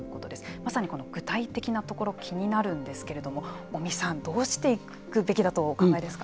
まさに具体的なところ気になるんですけれども尾身さん、どうしていくべきだとお考えですか。